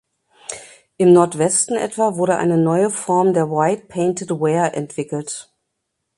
Im Nordwesten etwa wurde eine neue Form der "White Painted Ware" entwickelt.